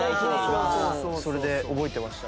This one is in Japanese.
それで覚えてました。